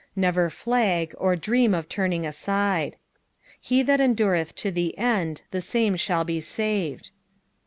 Never flag, or dream of turning aside. " He thst endureth to the end, the same shall be saved."